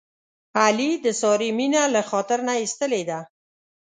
علي د سارې مینه له خاطر نه ایستلې ده.